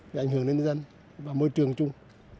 đã ảnh hưởng đến dân và môi trường chung